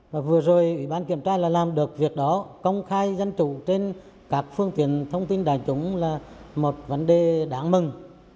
và vừa rồi ủy ban kiểm tra là làm được việc đó công khai dân chủ trên các phương tiện thông tin đại chúng là một vấn đề đáng mừng